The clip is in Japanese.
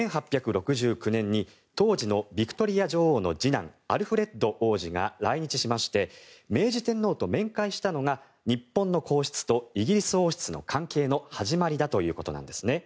１８６９年に当時のビクトリア女王の次男アルフレッド王子が来日しまして明治天皇と面会したのが日本の皇室とイギリス王室の関係の始まりだということです。